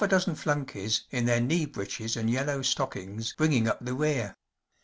wind, half a dozen flunkeys in their knee breeches and yellow stockings bringing up the rear.